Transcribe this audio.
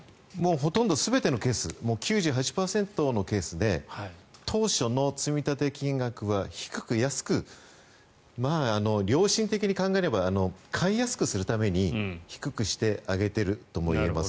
ほとんど全てのケース９８％のケースで当初の積立金額は低く安く良心的に考えれば買いやすくするために低くしてあげてるとも言えます。